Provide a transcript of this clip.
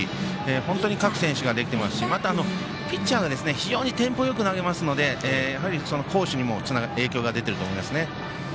本当に各選手ができてますしまた、ピッチャーが非常にテンポよく投げますのでやはり好守にも影響が出ていると思いますね。